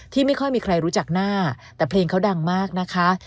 ไม่ค่อยมีใครรู้จักหน้าแต่เพลงเขาดังมากนะคะ